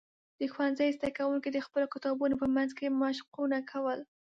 د ښوونځي زده کوونکي د خپلو کتابونو په منځ کې مشقونه کول.